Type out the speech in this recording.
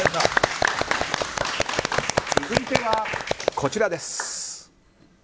続いては、こちらです。